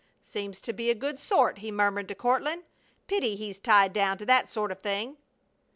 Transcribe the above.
"Seems to be a good sort," he murmured to Courtland. "Pity he's tied down to that sort of thing!"